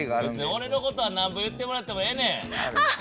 別にオレのことはなんぼ言ってもらってもええねん。